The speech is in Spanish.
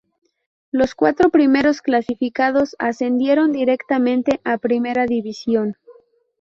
Los cuatro primeros clasificados ascendieron directamente a Primera División.